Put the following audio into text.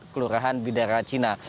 kelurahan bidara cina